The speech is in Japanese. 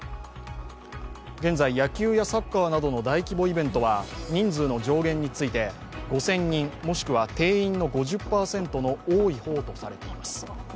現在、野球やサッカーなどの大規模イベントは人数の上限について５０００人もしくは定員の５０％の多い方とされています。